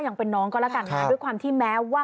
ยังเป็นน้องก็แล้วกันค่ะด้วยความที่แม้ว่า